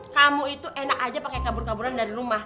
kamu itu enak aja pakai kabur kaburan dari rumah